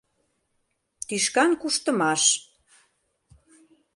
Тӱшкан куштымаш.